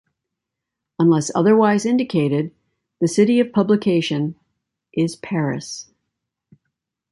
Unless otherwise indicated, the city of publication is Paris.